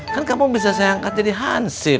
kan kamu bisa saya angkat jadi hansip